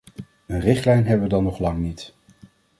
Een richtlijn hebben we dan nog lang niet.